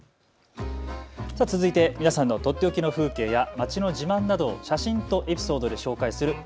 続いて皆さんのとっておきの風景や町の自慢などを写真とエピソードで紹介する＃